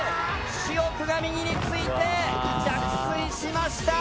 主翼が右について着水しました。